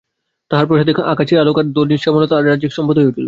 তাঁহার প্রসাদে আকাশের আলোক আর ধরণীর শ্যামলতা আমার কাছে রাজসম্পদ হইয়া উঠিল।